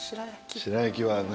白焼は何？